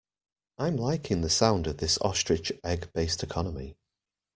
I'm liking the sound of this ostrich egg based economy.